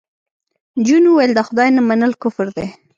جون وویل د خدای نه منل کفر دی